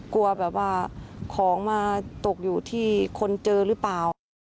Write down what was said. กลัวแบบว่าของมาตกอยู่ที่คนเจอหรือเปล่า